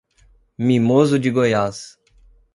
Mimoso de Goiás